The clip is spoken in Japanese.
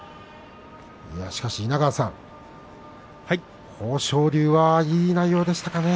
稲川さん、豊昇龍はいい内容でしたかね。